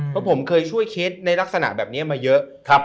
เพราะผมเคยช่วยเคสในลักษณะแบบนี้มาเยอะ